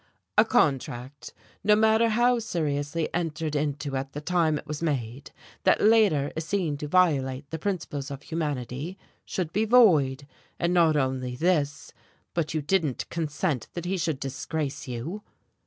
"A contract, no matter how seriously entered into at the time it was made, that later is seen to violate the principles of humanity should be void. And not only this, but you didn't consent that he should disgrace you."